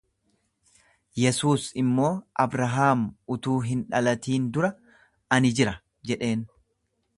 Yesuus immoo, Abrahaam utuu hin dhalatin dura ani jira jedheen.